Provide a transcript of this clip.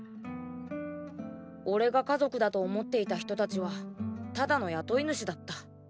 俺が家族だと思っていた人達はただの雇い主だった。